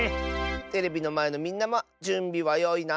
テレビのまえのみんなもじゅんびはよいな。